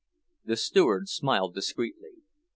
The steward smiled discreetly.